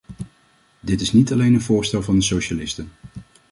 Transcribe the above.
Dit is niet alleen een voorstel van de socialisten.